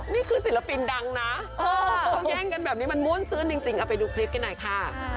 ศิลปินดังนะเขาแย่งกันแบบนี้มันม่วนซื้นจริงเอาไปดูคลิปกันหน่อยค่ะ